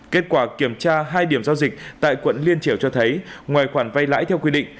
kết quả kiểm tra hai điểm giao dịch tại quận liên triểu cho thấy ngoài khoản vay lãi theo quy định